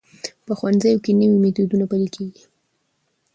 په ښوونځیو کې نوي میتودونه پلي کېږي.